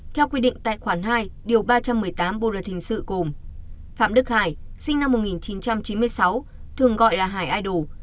theo quy định tài khoản hai điều ba trăm một mươi tám bộ luật hình sự gồm phạm đức hải sinh năm một nghìn chín trăm chín mươi sáu thường gọi là hải ai đủ